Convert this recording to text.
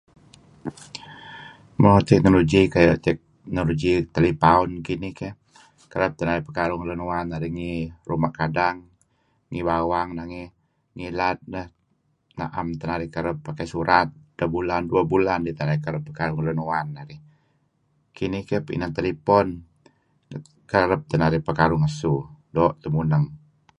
Mo technology kayu' technology telepaun kinih, kereb teh narih pekaruh ngen lun uwan narih ngi ruma' kadang ngi bawang nangey. Ngilad neh na'em teh narih kereb, pakai surat edteh bulan dueh bulan kidih teh narih kereb pekaruh nhen lun uwan narig. Kinih keh inan telepon kereb teh narih pekaruh ngesu, doo' teh muneng.